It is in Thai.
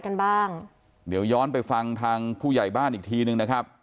กันบ้างเดี๋ยวย้อนไปฟังทางผู้ใหญ่บ้านอีกทีหนึ่งนะครับ